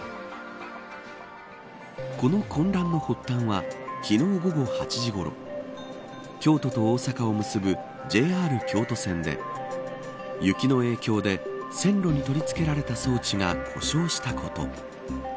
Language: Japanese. この混乱の発端は昨日午後８時ごろ京都と大阪を結ぶＪＲ京都線で、雪の影響で線路に取り付けられた装置が故障したこと。